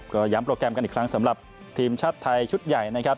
ก็ย้ำโปรแกรมกันอีกครั้งสำหรับทีมชาติไทยชุดใหญ่นะครับ